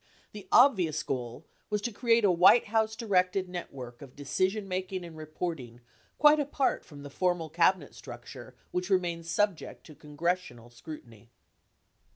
The obvious goal was to create a White House directed net work of decisionmaking and reporting quite apart from the formal Cabinet structure which remained subject to congressional scrutiny.